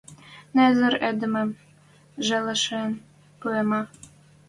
Незер эдемӹм жӓлӓен пуэмӓ...